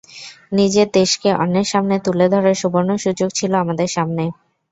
নিজের দেশকে অন্যের সামনে তুলে ধরার সুবর্ণ সুযোগ ছিল আমাদের সামনে।